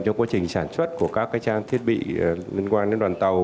trong quá trình sản xuất của các trang thiết bị liên quan đến đoàn tàu